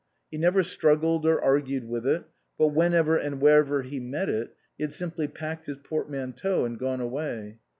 He never struggled or argued with it, but whenever and wherever he met it he had simply packed his portmanteau and gone away.